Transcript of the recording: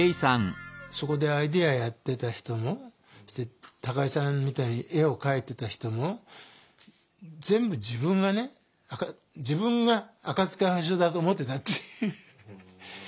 そこでアイデアやってた人も高井さんみたいに絵を描いてた人も全部自分がね自分が赤不二夫だと思ってたっていう。